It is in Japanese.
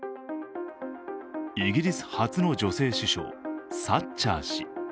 イギリス初の女性首相、サッチャー氏。